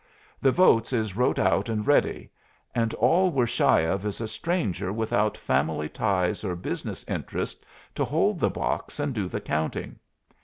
The votes is wrote out and ready, and all we're shy of is a stranger without family ties or business interests to hold the box and do the counting."